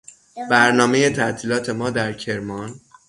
برنامهی تعطیلات ما در کرمان